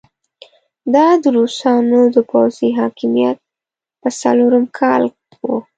دا د روسانو د پوځي حاکميت په څلورم کال وو.